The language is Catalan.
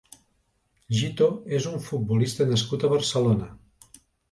Jito és un futbolista nascut a Barcelona.